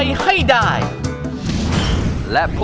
ขอบคุณมากครับผม